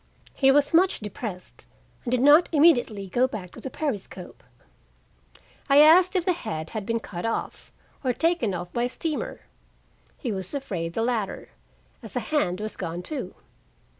He was much depressed, and did not immediately go back to the periscope. I asked if the head had been cut off or taken off by a steamer; he was afraid the latter, as a hand was gone, too.